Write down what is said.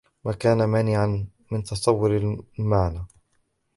مَا كَانَ مَانِعًا مِنْ تَصَوُّرِ الْمَعْنَى